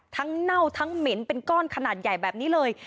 เน่าทั้งเหม็นเป็นก้อนขนาดใหญ่แบบนี้เลย